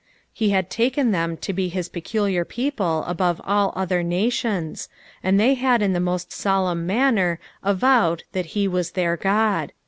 Re had taken them to be his peculiar people above all other nations, and they had in the most solemn manner avowed that he was their God.